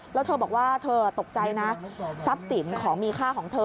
แล้วเธอบอกว่าเธอตกใจนะทรัพย์สินของมีค่าของเธอ